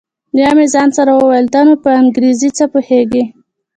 بيا مې ځان سره وويل ته نو په انګريزۍ څه پوهېږې.